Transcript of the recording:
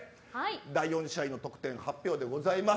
第４試合の得点発表でございます。